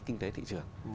kinh tế thị trường